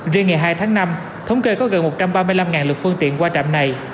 riêng ngày hai tháng năm thống kê có gần một trăm ba mươi năm lực phương tiện qua trạm này